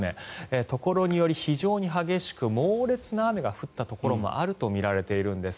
ところにより非常に激しく猛烈な雨が降ったところも見られているんです。